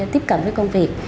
tiếp cận với công việc